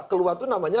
keluaran itu namanya